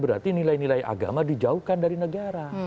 berarti nilai nilai agama dijauhkan dari negara